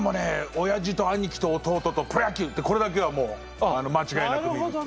おやじと兄貴と弟とプロ野球ってこれだけはもう間違いなく見るっていう。